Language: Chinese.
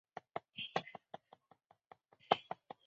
一些批评家认为他们的歌其带有强烈的马克思主义色彩。